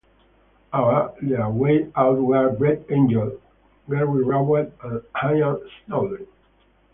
On their way out were Brett Angell, Gary Rowett and Ian Snodin.